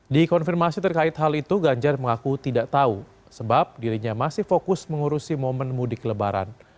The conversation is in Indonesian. di konfirmasi terkait hal itu ganjar mengaku tidak tahu sebab dirinya masih fokus mengurusi momen mudik lebaran